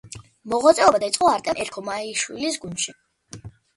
მოღვაწეობა დაიწყო არტემ ერქომაიშვილის გუნდში.